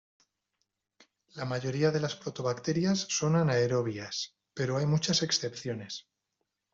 La mayoría de las proteobacterias son anaerobias, pero hay muchas excepciones.